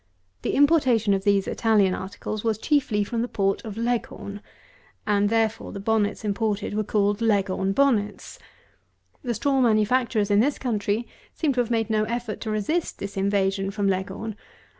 The importation of these Italian articles was chiefly from the port of LEGHORN; and therefore the bonnets imported were called Leghorn Bonnets. The straw manufacturers in this country seem to have made no effort to resist this invasion from Leghorn.